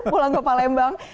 pulang ke palembang